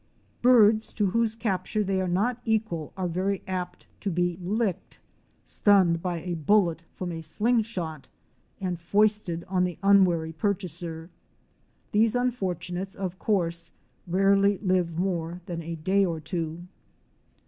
Birds to whose capture they are not equal are very apt to be 'licked'? — stunned by a bullet from a sling shot — and foisted on the unwary purchaser. These unfortunates, of course, rarely live more than a day or two.